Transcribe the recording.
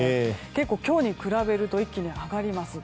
結構、今日に比べると一気に上がります。